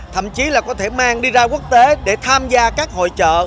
thậm chí là có thể mang đi ra quốc tế để tham gia các hội trợ